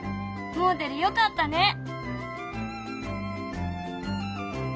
もおでるよかったね。